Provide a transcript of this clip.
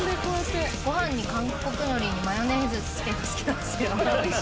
ご飯に韓国のりにマヨネーズ付けるの好きなんですよ。